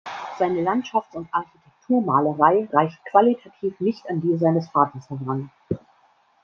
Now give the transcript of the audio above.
Seine Landschafts- und Architekturmalerei reicht qualitativ nicht an die seines Vaters heran.